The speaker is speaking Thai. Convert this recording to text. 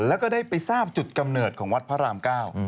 แล้วก็ได้ไปทราบจุดกำเนิดของวัดพระรามเก้า